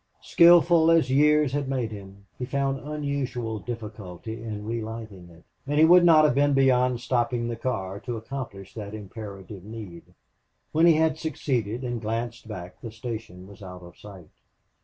Skilful as years had made him, he found unusual difficulty in relighting it, and he would not have been beyond stopping the car to accomplish that imperative need. When he had succeeded and glanced back the station was out of sight.